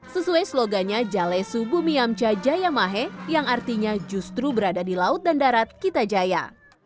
sesuai slogannya jalesu bumi amca jaya mahe yang artinya justru berada di laut dan darat kita jaya